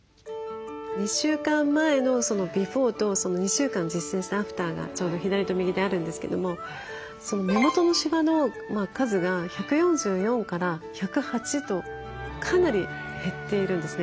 ２週間前のビフォーと２週間実践したアフターがちょうど左と右であるんですけども目元のしわの数が１４４から１０８とかなり減っているんですね。